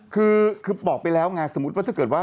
คือบอกไปแล้วไงสมมุติว่าถ้าเกิดว่า